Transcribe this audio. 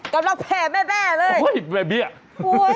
กับนักแพทย์แน่เลยโอ้ยแม่เบี้ยคือ